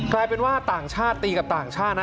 กลายเป็นว่าต่างชาติตีกับต่างชาตินะ